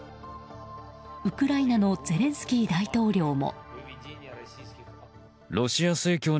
ウクライナのゼレンスキー大統領も。